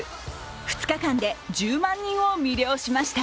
２日間で１０万人を魅了しました。